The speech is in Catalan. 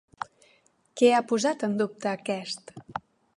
Què ha posat en dubte aquest?